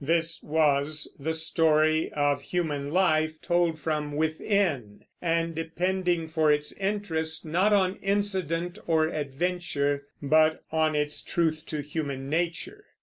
This was the story of human life, told from within, and depending for its interest not on incident or adventure, but on its truth to human nature.